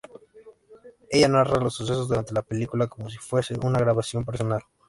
Ella narra los sucesos durante la película como si fuese una grabación personal.